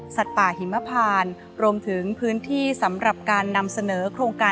ป่าหิมพานรวมถึงพื้นที่สำหรับการนำเสนอโครงการ